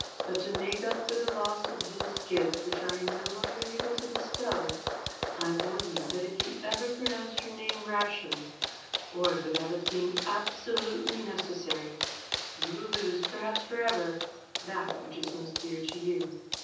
But to make up for the loss of this gift, which I am no longer able to bestow, I warn you that if you ever pronounce your name rashly, or without its being absolutely necessary, you will lose, perhaps for ever, that which is most dear to you.